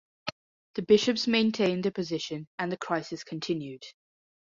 The bishops maintained their position and the crisis continued.